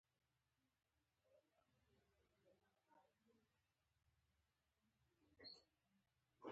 هره ورځ د ځان روغتیا ته نیم ساعت وخت ورکوئ.